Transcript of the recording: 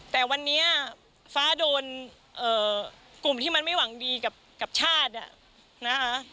แต่วันนี้ฟ้าโดนกลุ่มที่มันไม่หวังดีกับชาตินะคะ